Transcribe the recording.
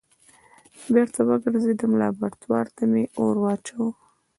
بېرته وګرځېدم لابراتوار ته مې اور واچوه.